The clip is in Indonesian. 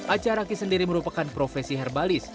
acaraki sendiri merupakan profesi herbalis